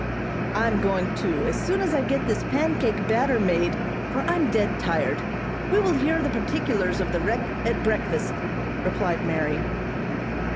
"I'm going too, as soon as I get this pancake batter made, for I'm dead tired. We will hear the particulars of the wreck at breakfast," replied Mary.